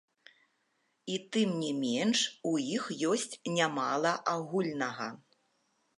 І тым не менш у іх ёсць нямала агульнага.